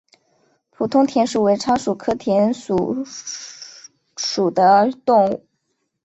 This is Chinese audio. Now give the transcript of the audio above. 普通田鼠为仓鼠科田鼠属的动物。